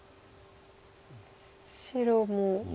白も。